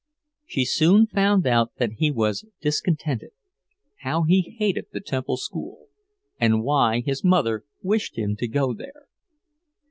She soon found out that he was discontented; how he hated the Temple school, and why his mother wished him to go there.